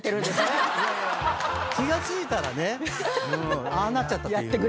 気が付いたらねああなっちゃったっていう。